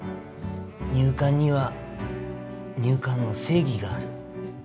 入管には入管の正義がある。